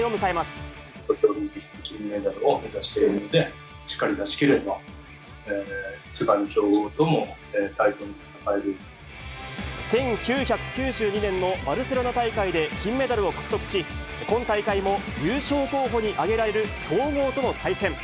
東京オリンピック金メダルを目指しているので、しっかり出し切れば、１９９２年のバルセロナ大会で金メダルを獲得し、今大会も優勝候補に挙げられる強豪との対戦。